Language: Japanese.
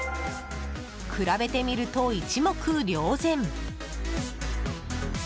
比べてみると一目瞭然。